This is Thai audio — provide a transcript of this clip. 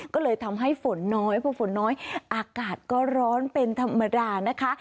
ก็เลยทำให้ฝนน้อยเพราะฝนน้อยอากาศก็ร้อนเป็นธรรมดานะคะ